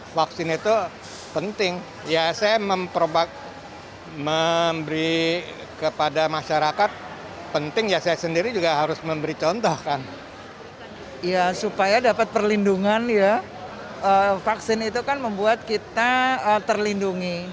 vaksin itu kan membuat kita terlindungi